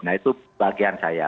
nah itu bagian saya